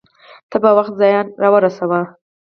ته په وخت ځان راورسوه